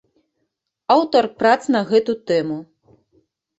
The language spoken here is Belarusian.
Аўтар прац на гэту тэму.